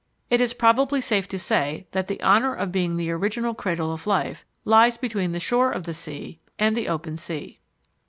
It is probably safe to say that the honour of being the original cradle of life lies between the shore of the sea and the open sea.